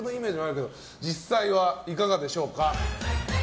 実際は、いかがでしょうか。